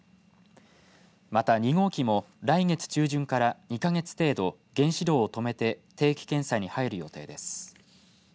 また２号機も来月中旬から２か月程度、原子炉を止めて定期検査に入る予定です。